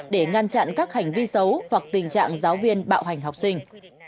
để ngăn chặn các hành vi xấu hoặc tình trạng giáo viên bạo hành học sinh